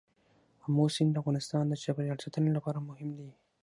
آمو سیند د افغانستان د چاپیریال ساتنې لپاره مهم دي.